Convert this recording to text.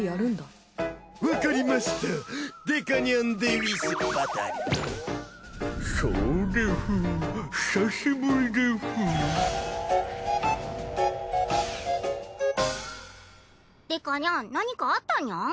デカニャン何かあったニャン？